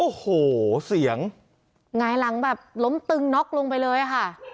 โอ้โหเสียงหงายหลังแบบล้มตึงน็อกลงไปเลยค่ะ